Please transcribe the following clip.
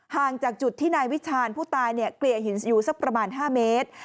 ห่างจากจุดที่นายวิชาณผู้ตายเกลี่ยหินอยู่๕เมตร